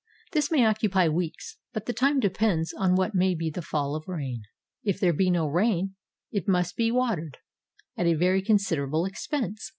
This may occupy weeks, but the time depends on what may be the fall of rain. If there be no rain, it must be watered, — at a very considerable expense.